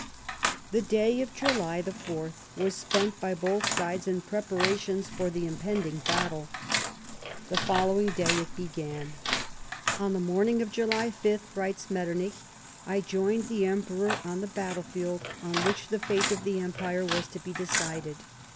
The day of July the 4th was spent by both sides in preparations for the impending battle. The following day it began. " On the morning of July 5," writes Metternich, " I joined the Emperor on the battlefield on which the fate of the Empire was to be decided.